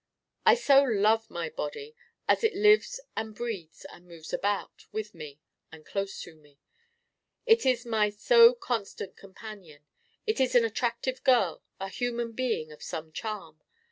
I so love my Body as it lives and breathes and moves about, with me and close to me. It is my so constant companion. It is an attractive girl, a human being of some charm.